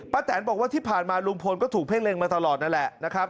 แตนบอกว่าที่ผ่านมาลุงพลก็ถูกเพ่งเล็งมาตลอดนั่นแหละนะครับ